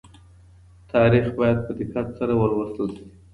تاريخ بايد په دقت سره ولوستل سي.